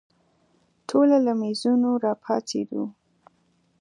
ټوله له مېزونو راپاڅېدو.